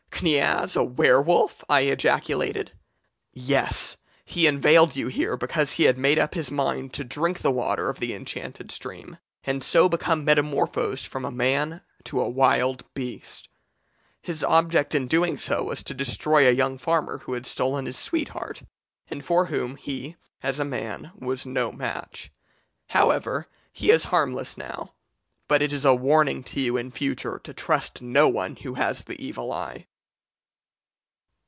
"'Kniaz a werwolf!' I ejaculated. "'Yes! he inveigled you here because he had made up his mind to drink the water of the enchanted stream, and so become metamorphosed from a man to a wild beast. His object in doing so was to destroy a young farmer who had stolen his sweetheart, and for whom he, as a man, was no match. However, he is harmless now, but it is a warning to you in future to trust no one who has the evil eye.'"